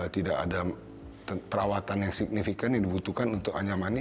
tidak ada perawatan yang signifikan yang dibutuhkan untuk anyamani